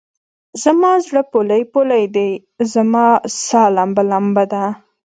زما زړه پولۍ پولۍدی؛ رما سا لمبه لمبه ده